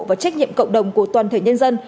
và trách nhiệm cộng đồng của toàn thể nhân dân